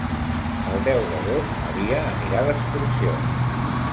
El deu d'agost na Lia anirà d'excursió.